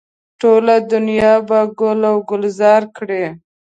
ټوله دنیا به ګل و ګلزاره کړي.